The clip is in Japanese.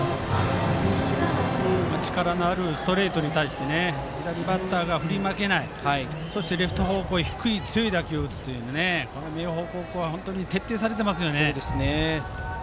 力のあるストレートに対して左バッターが振り負けないそして、レフト方向へ低く強い打球を打つという明豊高校はこれが徹底されていますよね。